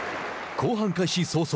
後半開始早々。